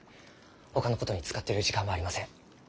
ほかのことに使ってる時間はありません。